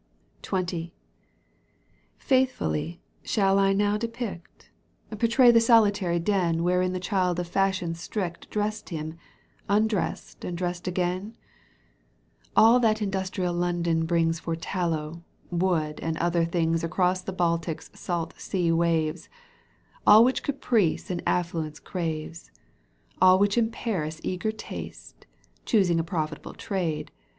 XX. Faithfully shall I now depict, Portray the solitary den Digitized by CjOOQ 1С CANTO I. EUGENE ONEGUINE; 13 Wherein the chHd of fashion strict Dressed him, undressed, and dressed again ? All that industrial London brings . For tallow, wood and other things Across the Baltic's salt sea waves, All which caprice and affluence craves, All which in Paris eager taste. Choosing a profitable trade.